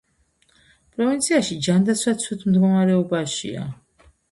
პროვინციაში ჯანდაცვა ცუდ მდგომარეობაშია.